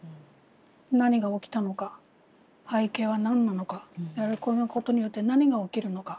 何が起きたのか背景は何なのかこのことによって何が起きるのか。